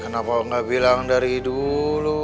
kenapa nggak bilang dari dulu